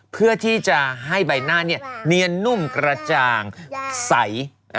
เพื่อที่จะให้ใบหน้าเนียนนุ่มกระจ่างใส